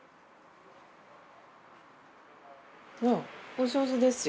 お上手ですよ。